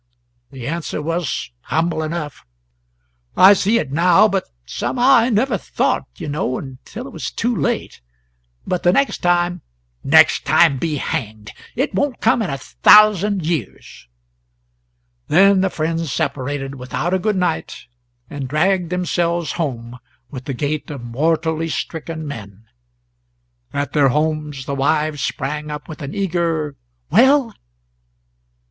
The answer was humble enough: "I see it now, but somehow I never thought, you know, until it was too late. But the next time " "Next time be hanged! It won't come in a thousand years." Then the friends separated without a good night, and dragged themselves home with the gait of mortally stricken men. At their homes their wives sprang up with an eager "Well?"